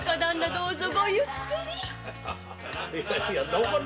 どうぞごゆっくり！